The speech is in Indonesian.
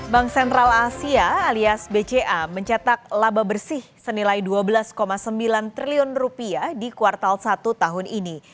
bank sentral asia alias bca mencetak laba bersih senilai dua belas sembilan triliun rupiah di kuartal satu tahun ini